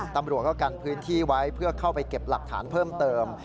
ตำรวจก็กันพื้นที่ไว้เพื่อเข้าไปเก็บหลักฐานเพิ่มเติม